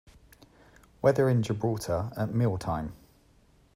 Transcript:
Weather in Gibraltar at meal time